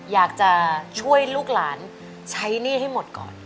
อยากจะช่วยลูกหลานใช้หนี้ให้หมดก่อน